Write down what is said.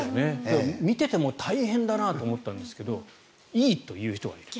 見ていても大変だなと思ったんですがいいという人がいる。